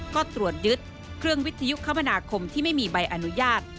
ก็ตรวจยึดเครื่องวิทยุคมนาคมที่ไม่มีใบอนุญาต